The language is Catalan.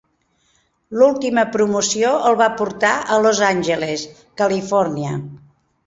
L'última promoció el va portar a Los Angeles, Califòrnia.